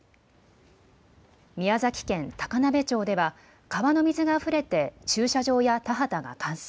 宮崎県高鍋町では川の水があふれて駐車場や田畑が冠水。